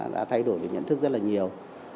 đã thay đổi được nhận thức rất là nhiều